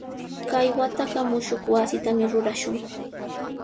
Kay wataqa mushuq wasitami rurashun.